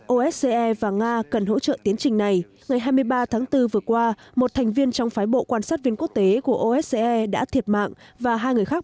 osce và nga cần hỗ trợ tiến độ thực thi các thỏa thuận minsk